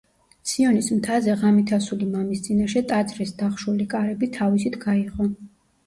სიონის მთაზე ღამით ასული მამის წინაშე ტაძრის დახშული კარები თავისით გაიღო.